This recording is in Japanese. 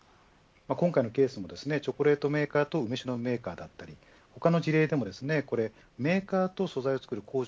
今回のケースもチョコレートメーカーと梅酒のメーカーだったり他の事例でもメーカーと素材を作る工場